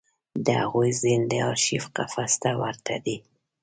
د هغوی ذهن د ارشیف قفس ته ورته دی.